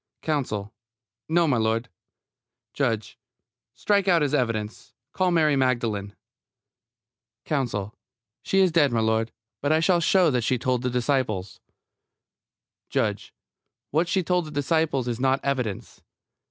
COUNSEL: No, m'lud. JUDGE: Strike out his evidence. Call Mary Magdalene. COUNSEL: She is dead, m'lud. But I shall show that she told the disciples JUDGE: What she told the disciples is not evidence.